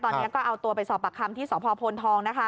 ตอนนี้ก็เอาตัวไปสอบปากคำที่สพโพนทองนะคะ